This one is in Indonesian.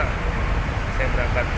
saya berangkat siang